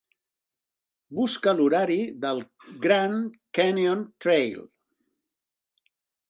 Busca l'horari del Grand Canyon Trail.